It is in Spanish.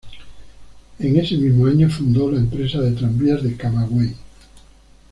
En ese mismo año fundó la empresa de tranvías de Camagüey.